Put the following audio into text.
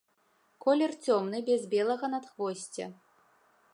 Колер цёмны, без белага надхвосця.